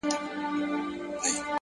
د نیت پاکوالی عمل ته معنا ورکوي!.